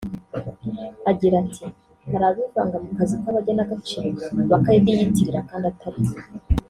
Agira ati”Hari abivanga mu kazi k’abagenagaciro bakabiyitirira kandi ataribo